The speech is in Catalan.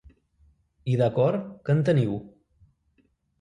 I d'acord, que en teniu?